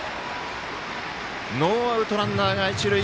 ノーアウト、ランナーが一塁。